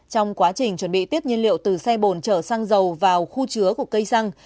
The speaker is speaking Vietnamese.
trong quá trình chuẩn bị tiếp nhiên liệu từ xe bồn chở xăng dầu vào khu chứa của cây xăng